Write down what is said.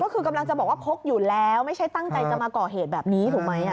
ก็คือกำลังจะบอกว่าพกอยู่แล้วไม่ใช่ตั้งใจจะมาก่อเหตุแบบนี้ถูกไหม